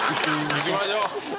いきましょう